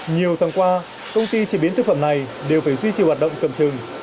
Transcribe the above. nhiều tháng qua công ty chế biến thực phẩm này đều phải duy trì hoạt động cầm trừng